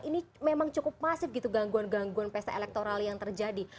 ini memang cukup masif gitu gangguan gangguan pesta elektoral yang terjadi